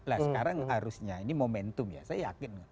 nah sekarang harusnya ini momentum ya saya yakin